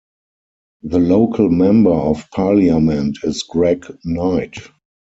The local Member of Parliament is Greg Knight.